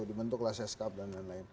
dibentuklah seskap dan lain lain